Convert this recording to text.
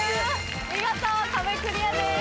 見事壁クリアです。